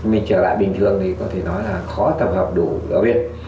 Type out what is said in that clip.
mình trở lại bình thường thì có thể nói là khó tập hợp đủ đó biết